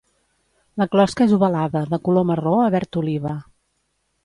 La closca és ovalada de color marró a verd oliva.